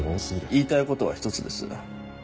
言いたいことは１つです。